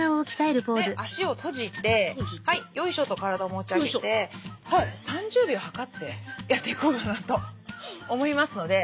足を閉じてヨイショと体を持ち上げて３０秒計ってやっていこうかなと思いますので。